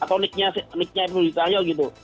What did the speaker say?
atau nick nya ibnuddin cahyaw gitu